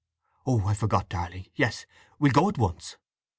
Oh—I forgot, darling! Yes, we'll go on at once."